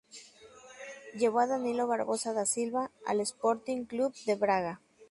Llevó a Danilo Barbosa da Silva al Sporting Clube de Braga.